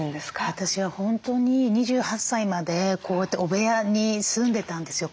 私は本当に２８歳までこうやって汚部屋に住んでたんですよ。